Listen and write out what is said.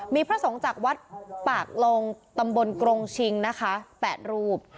มีพระสงฆ์จากวัดปากลงตำบลกรงชิงนะคะ๘รูป